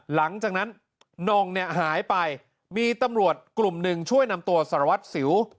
หลังจากนั้นนองเนี่ยหายไปมีตำรวจกลุ่มหนึ่งช่วยนำตัวสารวัตรสิว